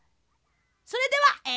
それではえ